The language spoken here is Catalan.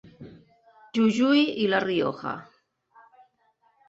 Jujuy i La Rioja.